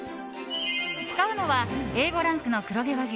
使うのはＡ５ランクの黒毛和牛。